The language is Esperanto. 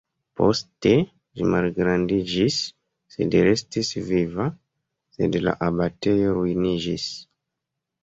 Poste ĝi malgrandiĝis sed restis viva, sed la abatejo ruiniĝis.